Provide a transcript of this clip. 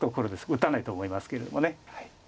打たないと思いますけれども。